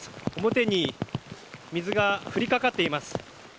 表に水が降りかかっています。